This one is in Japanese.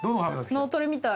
脳トレみたい。